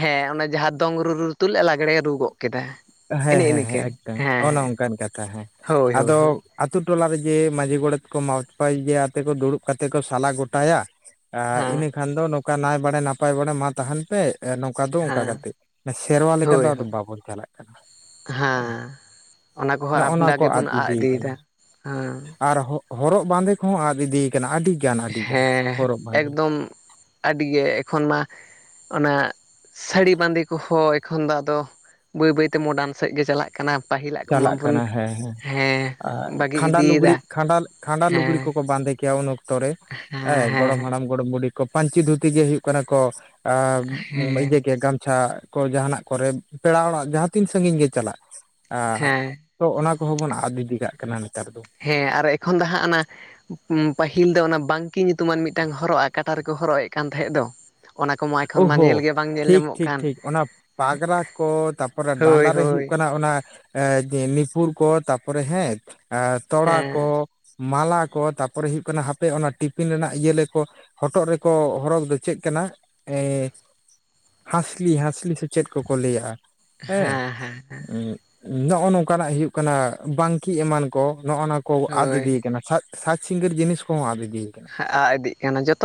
ᱦᱮᱸ ᱚᱱᱟ ᱡᱟᱦᱟᱸ ᱫᱚᱝ ᱨᱩ ᱨᱩ ᱛᱩᱞᱩᱡ ᱞᱟᱜᱽᱲᱮ ᱨᱩ ᱜᱚᱫ ᱠᱮᱫᱟ᱾ ᱦᱮᱸ ᱮᱱᱮ ᱦᱮᱸ ᱤᱱᱟᱹᱠᱟ ᱦᱮᱸ ᱮᱠᱫᱚᱢ ᱦᱮᱸ ᱚᱱᱮ ᱦᱮᱸ ᱚᱱᱠᱟᱱ ᱠᱟᱛᱷᱟ ᱦᱮᱸ ᱦᱳᱭ ᱦᱳᱭ ᱟᱫᱚ ᱦᱳᱭ ᱟᱛᱳ ᱴᱚᱞᱟ ᱨᱮ ᱡᱮ ᱢᱟᱹᱡᱷᱤ ᱜᱚᱲᱮᱛ ᱠᱚ ᱱᱟᱯᱟᱭ ᱡᱮ ᱟᱛᱮ ᱠᱚ ᱫᱩᱲᱩᱵ ᱠᱟᱛᱮᱫ ᱠᱚ ᱥᱟᱞᱟ ᱜᱚᱴᱟᱭᱟ᱾ ᱦᱮᱸ ᱤᱱᱟᱹ ᱠᱷᱟᱱ ᱫᱚ ᱱᱚᱝᱠᱟ ᱱᱟᱭ ᱵᱟᱲᱮ ᱱᱟᱯᱟᱭ ᱵᱟᱲᱮ ᱢᱟ ᱛᱟᱦᱮᱱ ᱯᱮ᱾ ᱱᱚᱝᱠᱟ ᱫᱚ ᱚᱱᱠᱟ ᱦᱮᱸ ᱠᱟᱛᱮᱜ ᱥᱮᱨᱣᱟ ᱞᱮᱠᱟ ᱫᱚ ᱦᱳᱭ ᱟᱫᱚ ᱦᱳᱭ ᱵᱟᱵᱚᱱ ᱪᱟᱞᱟᱜ᱾ ᱠᱟᱱᱟ ᱦᱮᱸ ᱚᱱᱟ ᱠᱚᱦᱚᱸ ᱱᱚᱜᱼᱚ ᱟᱯᱱᱟ ᱱᱚᱣᱟ ᱠᱚ ᱜᱮᱵᱚᱱ ᱟᱫ ᱤᱫᱤ ᱠᱟᱱᱟ ᱤᱫᱤᱭᱮᱫᱟ ᱦᱮᱸ᱾ ᱟᱨ ᱦᱚᱨᱚᱜ ᱵᱟᱸᱫᱮ ᱠᱚᱦᱚᱸ ᱟᱫ ᱤᱫᱤᱭ ᱠᱟᱱᱟ ᱟᱹᱰᱤ᱾ ᱜᱟᱱ ᱟᱹᱰᱤ ᱜᱟᱱ ᱦᱮᱸ ᱦᱚᱨᱚᱜ ᱵᱟᱸᱫᱮ ᱮᱠᱫᱚᱢ ᱟᱹᱰᱤᱜᱮ ᱮᱠᱷᱚᱱ ᱢᱟ ᱚᱱᱟ ᱥᱟᱹᱲᱤ ᱵᱟᱸᱫᱮ ᱠᱚᱦᱚᱸ ᱮᱠᱷᱚᱱ ᱫᱚ ᱟᱫᱚ ᱵᱟᱹᱭ ᱵᱟᱹᱭᱛᱮ ᱢᱳᱰᱟᱨᱱ ᱥᱮᱫ ᱜᱮ ᱪᱟᱞᱟᱜ ᱠᱟᱱᱟ ᱯᱟᱹᱦᱤᱞᱟᱜ ᱠᱚᱢᱟ ᱪᱟᱞᱟᱜ ᱵᱚᱱ ᱠᱟᱱᱟ ᱦᱮᱸ ᱦᱮᱸ᱾ ᱦᱮᱸ ᱵᱟᱹᱜᱤ ᱠᱷᱟᱸᱰᱟ ᱤᱫᱤᱭᱮᱫᱟ᱾ ᱞᱩᱜᱽᱲᱤᱡ ᱠᱷᱟᱸᱰᱟ ᱠᱷᱟᱸᱰᱟ ᱞᱩᱜᱽᱲᱤ ᱦᱮᱸ ᱠᱚᱠᱚ ᱵᱟᱸᱫᱮᱭᱟ ᱩᱱ ᱚᱠᱛᱚ ᱨᱮ ᱦᱮᱸ ᱜᱚᱲᱚᱢ ᱦᱟᱲᱟᱢ ᱜᱚᱲᱚᱢ ᱵᱩᱰᱷᱤ ᱠᱚ ᱯᱟᱹᱧᱪᱤ ᱫᱷᱩᱛᱤ ᱜᱮ ᱦᱩᱭᱩᱜ ᱠᱟᱱᱟ ᱠᱚ᱾ ᱟᱨ ᱦᱮᱸ [unintelligible] ᱠᱚ ᱜᱟᱢᱪᱷᱟ ᱠᱚ ᱡᱟᱦᱟᱱᱟᱜ ᱠᱚᱨᱮ ᱯᱮᱲᱟ ᱚᱲᱟᱜ ᱡᱟᱦᱟᱸ ᱛᱤᱱ ᱥᱟᱺᱜᱤᱧ ᱜᱮ ᱪᱟᱞᱟᱜ᱾ ᱟᱨ ᱦᱮᱸ ᱛᱚ ᱚᱱᱟ ᱠᱚᱦᱚᱸ ᱵᱚᱱ ᱟᱫ ᱤᱫᱤ ᱠᱟᱜ ᱠᱟᱱᱟ ᱱᱮᱛᱟᱨ ᱫᱚ᱾ ᱦᱮᱸ ᱟᱨ ᱮᱠᱷᱚᱱ ᱫᱚ ᱦᱟᱸᱜ ᱚᱱᱟ ᱯᱟᱹᱦᱤᱞ ᱫᱚ ᱚᱱᱟ ᱵᱟᱝᱠᱤ ᱧᱩᱛᱩᱢᱟᱱ ᱢᱤᱫᱴᱟᱝ ᱦᱚᱨᱚᱜᱼᱟ ᱠᱟᱴᱟ ᱨᱮᱠᱚ ᱦᱚᱨᱚᱜ ᱮᱫ ᱠᱟᱱ ᱛᱟᱦᱮᱸᱫ ᱫᱚ᱾ ᱚᱱᱟ ᱠᱚᱢᱟ ᱮᱠᱷᱚᱱ ᱢᱟ ᱚᱦᱳ ᱧᱮᱞ ᱜᱮ ᱵᱟᱝ ᱧᱮᱞ ᱴᱷᱤᱠ ᱧᱟᱢᱚᱜ ᱴᱷᱤᱠ ᱠᱟᱱ ᱴᱷᱤᱠ ᱚᱱᱟ ᱯᱟᱜᱽᱨᱟ ᱠᱚ ᱛᱟᱯᱚᱨ ᱛᱟᱨᱯᱚᱨᱮ ᱦᱳᱭ ᱰᱟᱸᱰᱟ ᱨᱮ ᱦᱳᱭ ᱦᱩᱭᱩᱜ ᱠᱟᱱᱟ ᱚᱱᱟ ᱮ ᱡᱮ ᱱᱤᱯᱷᱯᱩᱨ ᱠᱚ ᱛᱟᱯᱚᱨᱮ ᱦᱮᱸ ᱛᱚᱲᱟ ᱦᱮᱸ ᱠᱚ᱾ ᱢᱟᱞᱟ ᱠᱚ ᱛᱟᱯᱚᱨᱮ ᱦᱩᱭᱩᱜ ᱠᱟᱱᱟ ᱦᱟᱯᱮ ᱚᱱᱟ ᱴᱤᱯᱤᱱ ᱨᱮᱱᱟᱜ ᱤᱭᱟᱹ ᱞᱮ ᱠᱚ ᱦᱚᱴᱚᱜ ᱨᱮᱠᱚ ᱦᱚᱨᱚᱜ ᱫᱚ ᱪᱮᱫ ᱠᱟᱱᱟ? ᱮ ᱦᱟᱥᱞᱤ ᱦᱟᱥᱞᱤ ᱥᱮᱪᱮᱫ ᱠᱚᱠᱚ ᱞᱟᱹᱭᱮ-ᱟ᱾ ᱦᱮᱸ ᱦᱩ ᱱᱚᱜ-ᱚ ᱱᱚᱝᱠᱟᱱᱟᱜ ᱦᱩᱭᱩᱜ ᱠᱟᱱᱟ ᱵᱟᱝᱠᱤ ᱮᱢᱟᱱ ᱠᱚ ᱱᱚᱜᱚ ᱱᱟ ᱠᱚ ᱟᱫ ᱦᱳᱭ ᱤᱫᱤᱭ ᱠᱟᱱᱟ ᱥᱟᱡᱽ ᱥᱤᱝᱜᱟᱹᱨ ᱡᱤᱱᱤᱥ ᱠᱚᱦᱚᱸ ᱟᱫ ᱤᱫᱤᱭ ᱠᱟᱱᱟ᱾ ᱟᱜ ᱤᱫᱤᱜ ᱠᱟᱱᱟ ᱡᱚᱛᱚ ᱜᱮ